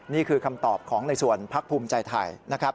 นี่คือคำตอบของในส่วนพักภูมิใจไทยนะครับ